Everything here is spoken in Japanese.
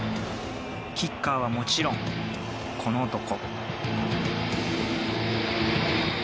キッカーはもちろん、この男。